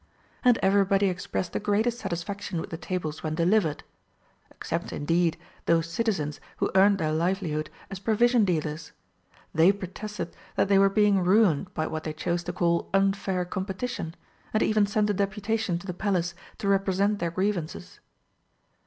And everybody expressed the greatest satisfaction with the tables when delivered except, indeed, those citizens who earned their livelihood as provision dealers. They protested that they were being ruined by what they chose to call unfair competition, and even sent a deputation to the Palace to represent their grievances.